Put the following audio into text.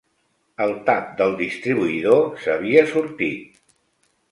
El tap del distribuïdor s'havia sortit.